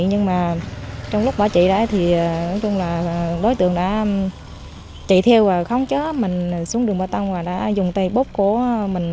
nhưng mà trong lúc bỏ chị đó thì đối tượng đã chạy theo và khổng chế mình xuống đường bà tăng và đã dùng tay bóp cổ mình